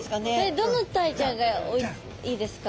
どのタイちゃんがいいですか？